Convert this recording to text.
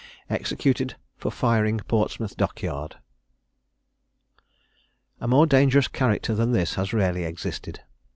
EXECUTED FOR FIRING PORTSMOUTH DOCK YARD. A more dangerous character than this has rarely existed.